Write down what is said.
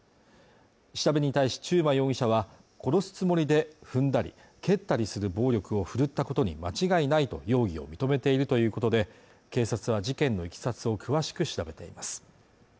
調べに対し中馬容疑者は殺すつもりで踏んだり蹴ったりする暴力を振るったことに間違いないと容疑を認めているということで警察は事件のいきさつを詳しく調べています